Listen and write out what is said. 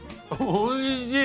おいしい！